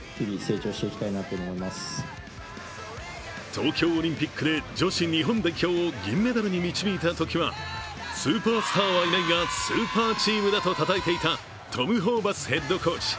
東京オリンピックで女子日本代表を銀メダルに導いたとき、スーパースターはいないがスーパーチームだとたたえていたトム・ホーバスヘッドコーチ。